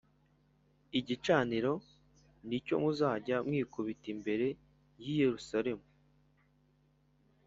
igicaniro ni cyo muzajya mwikubita imbere i Yerusalemu